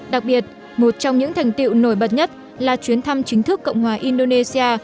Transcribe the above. đặc biệt một trong những thành tiệu nổi bật nhất là chuyến thăm chính thức cộng hòa indonesia